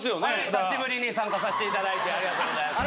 久しぶりに参加させていただいてありがとうございます。